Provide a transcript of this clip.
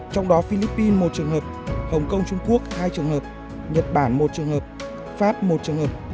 trong đó philippines một trường hợp hồng kông trung quốc hai trường hợp nhật bản một trường hợp pháp một trường hợp